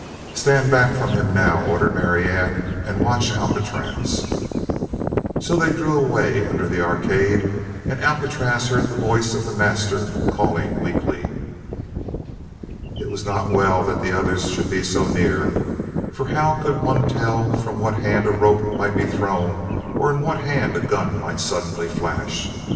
"Stand back from him, now," ordered Marianne, "and watch Alcatraz." So they drew away under the arcade and Alcatraz heard the voice of the master calling weakly. It was not well that the others should be so near. For how could one tell from what hand a rope might be thrown or in what hand a gun might suddenly flash?